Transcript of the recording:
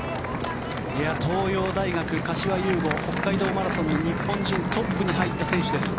東洋大学、柏優吾北海道マラソンの日本人トップに入った選手です。